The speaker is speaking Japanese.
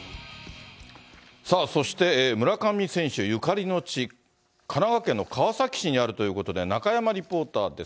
さあ、そして村上選手ゆかりの地、神奈川県の川崎市にあるということで、中山リポーターです。